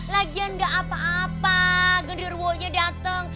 lagian nggak apa apa genderwonya dateng